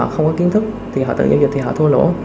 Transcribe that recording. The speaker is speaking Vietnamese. họ không có kiến thức thì họ tự nhiên thì họ thua lỗ